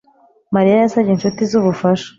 Mariya yasabye inshuti ze ubufasha